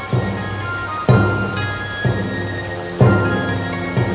jatuhkan pun bhagwan putrinya